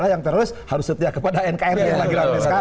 yang teroris harus setia kepada nkri